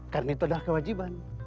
karena itu adalah kewajiban